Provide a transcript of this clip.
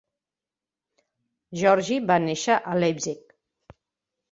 Georgi va néixer a Leipzig.